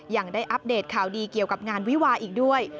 ยังได้อัปเดตข่าวดีเกี่ยวกับงานวิวาอีกด้วย